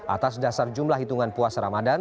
atas dasar jumlah hitungan puasa ramadan